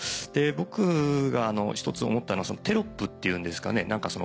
僕が一つ思ったのはテロップっていうんですかね。